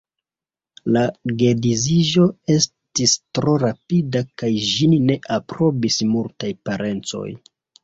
La geedziĝo estis tro rapida kaj ĝin ne aprobis multaj parencoj.